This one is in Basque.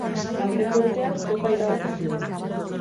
Aurreko urtean kopa irabazi zuen.